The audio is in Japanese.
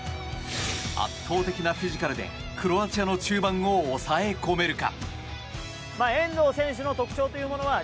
圧倒的なフィジカルでクロアチアの中盤を抑え込めるか。